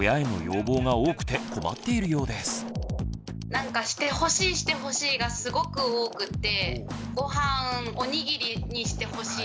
なんか「してほしいしてほしい」がすごく多くて。